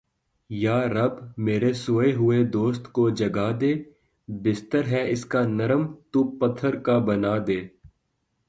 یا رب میرے سوئے ہوئے دوست کو جگا دے۔ بستر ہے اس کا نرم تو پتھر کا بنا دے